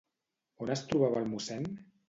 On es trobava el mossèn?